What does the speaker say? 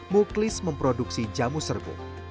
muklis memproduksi jamu serbu